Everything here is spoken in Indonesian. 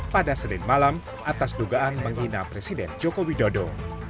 pada senin malam atas dugaan menghina presiden jokowi dodo